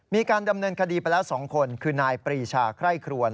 มีการดำเนินคดีไปแล้ว๒คนคือนายปรีชาไคร่ครวน